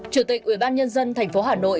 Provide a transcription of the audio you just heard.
chủ tịch ủy ban nhân dân tp hà nội